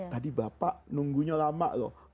tadi bapak nunggunya lama loh